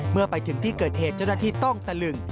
เมื่อไปถึงที่เกิดเหตุเจ้าหน้าที่ต้องตะลึง